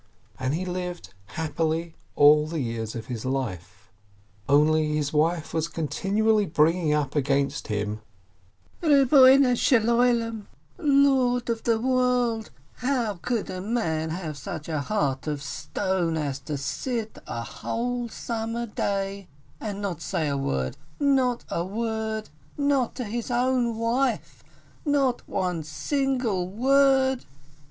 And he lived happily all the years of his life. Only, his wife was continually bringing up against him : "Lord of the World, how could a man have such a heart of stone, as to sit a whole summer day and not say a word, not a word, not to his own wife, not one single word